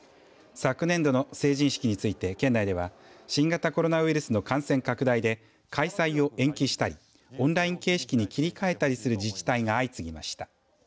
昨年度の成人式について県内では新型コロナウイルスの感染拡大で開催を延期したり、オンライン形式に切り替えたりする自治体が相次ぎました。